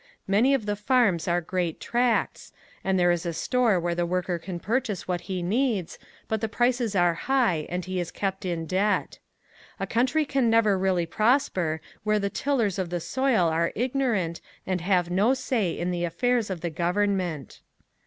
Many of the farms are great tracts and there is a store where the worker can purchase what he needs but the prices are high and he is kept in debt. A country can never really prosper where the tillers of the soil are ignorant and have no say in the affairs of the government.